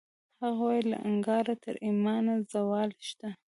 هغه وایی له انکاره تر ایمانه زوال شته